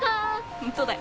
ホントだよ。